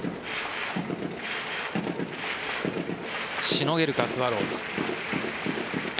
しのげるかスワローズ。